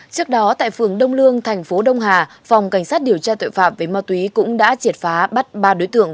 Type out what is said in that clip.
trước đó tại phường đông lương thành phố đông hà phòng cảnh sát điều tra tội phạm về ma túy cũng đã triệt phá bắt ba đối tượng